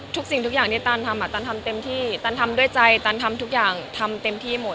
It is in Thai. สิ่งทุกอย่างที่ตันทำตันทำเต็มที่ตันทำด้วยใจตันทำทุกอย่างทำเต็มที่หมด